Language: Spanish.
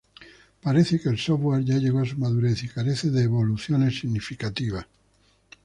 Parece que el software ya llegó a su madurez y carece de evoluciones significativas.